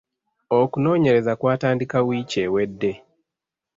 Okunoonyereza kw'atandika wiiki ewedde.